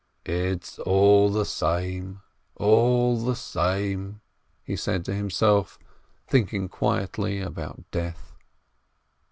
"It's all the same, all the same !" he said to himself, thinking quietly about death.